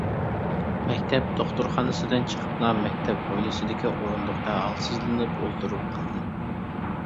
مەكتەپ دوختۇرخانىسىدىن چىقىپلا، مەكتەپ ھويلىسىدىكى ئورۇندۇقتا ھالسىزلىنىپ ئولتۇرۇپ قالدىم.